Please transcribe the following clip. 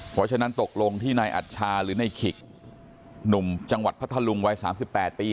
เพราะฉะนั้นตกลงที่นายอัชชาหรือในขิกหนุ่มจังหวัดพัทธลุงวัย๓๘ปี